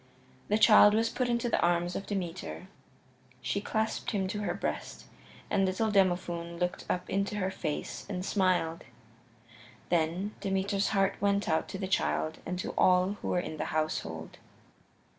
The child was put into the arms of Demeter; she clasped him to her breast, and little Demophoon looked up into her face and smiled. Then Demeter's heart went out to the child and to all who were in the household.